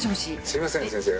「すいません先生